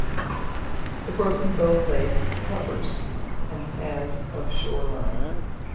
The Broken Bow Lake covers and has of shoreline.